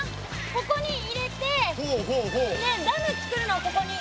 ここに入れてダムつくるのここに。